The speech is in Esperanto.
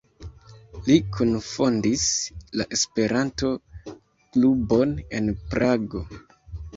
Li kunfondis la Esperanto-klubon en Prago.